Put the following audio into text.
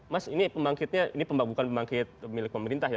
mas ini pembangkitnya ini bukan pembangkit milik pemerintah ya